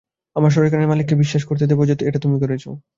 আমরা সরাইখানার মালিককে বিশ্বাস করতে দেব যে এটা তুমি করেছো।